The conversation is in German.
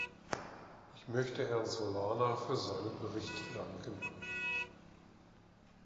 Ich möchte Herrn Solana für seinen Bericht danken.